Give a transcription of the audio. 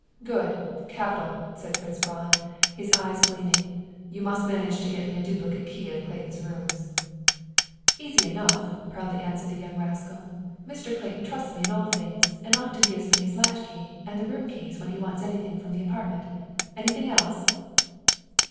"Good, capital!" said Fritz Braun, his eyes gleaming. "You must manage to get me a duplicate key of Clayton's rooms!" "Easy enough," proudly answered the young rascal. "Mr. Clayton trusts me in all things, and often gives me his latch key and the room keys when he wants anything from the apartment. Anything else?"